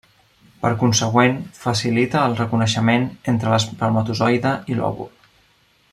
Per consegüent, facilita el reconeixement entre l'espermatozoide i l’òvul.